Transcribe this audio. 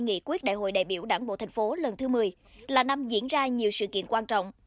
nghị quyết đại hội đại biểu đảng bộ thành phố lần thứ một mươi là năm diễn ra nhiều sự kiện quan trọng